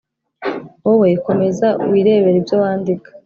wowe komeza wirebere ibyo wandika